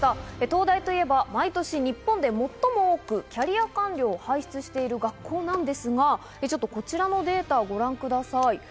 東大といえば毎年、日本で最も多くキャリア官僚を輩出している学校なんですが、こちらのデータをご覧ください。